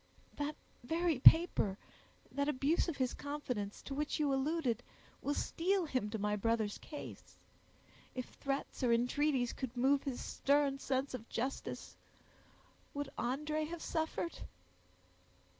"That very paper, that abuse of his confidence, to which you alluded, will steel him to my brother's case. If threats or entreaties could move his stern sense of justice, would André have suffered?"